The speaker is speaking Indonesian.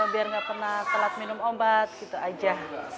biar nggak pernah telat minum obat gitu aja